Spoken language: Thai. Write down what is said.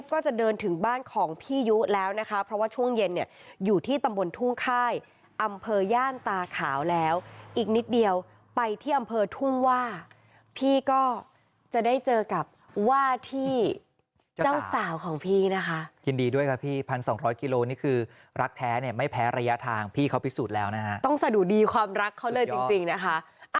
ก็จะเดินถึงบ้านของพี่ยุแล้วนะคะเพราะว่าช่วงเย็นเนี่ยอยู่ที่ตำบลทุ่งค่ายอำเภอย่านตาขาวแล้วอีกนิดเดียวไปที่อำเภอทุ่งว่าพี่ก็จะได้เจอกับว่าที่เจ้าสาวของพี่นะคะยินดีด้วยค่ะพี่พันสองร้อยกิโลนี่คือรักแท้เนี่ยไม่แพ้ระยะทางพี่เขาพิสูจน์แล้วนะฮะต้องสะดุดีความรักเขาเลยจริงจริงนะคะ